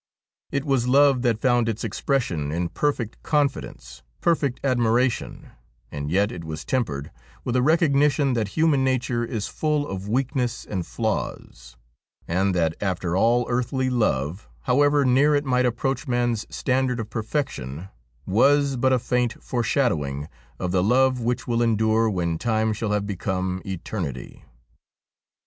It was love that found its expression in perfect confidence, perfect admiration, and yet it was tempered with a recognition that human nature is full of weakness and flaws, and that after all earthly love, how ever near it might approach man's standard of perfection, was but a faint foreshadowing of the love which will endure when time shall have become eternity.